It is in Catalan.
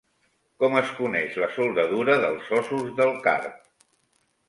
Com es coneix la soldadura dels ossos del carp?